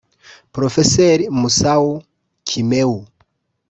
Prof Musau Kimeu